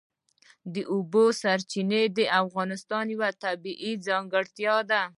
د اوبو سرچینې د افغانستان یوه طبیعي ځانګړتیا ده.